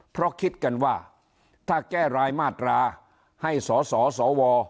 เพราะคิดกันว่าถ้าแก้รายมาตราให้สสว